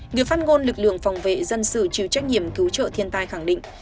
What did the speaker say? người phát ngôn lực lượng phòng vệ dân sự chịu trách nhiệm cứu trợ thiên tai khẳng định